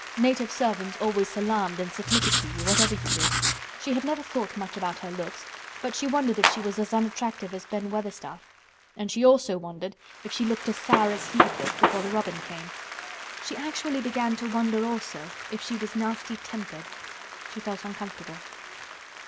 Native servants always salaamed and submitted to you, whatever you did. She had never thought much about her looks, but she wondered if she was as unattractive as Ben Weatherstaff and she also wondered if she looked as sour as he had looked before the robin came. She actually began to wonder also if she was "nasty tempered." She felt uncomfortable.